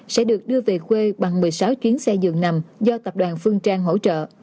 sẽ được đưa về quê bằng một mươi sáu chuyến xe dường nằm do tập đoàn phương trang hỗ trợ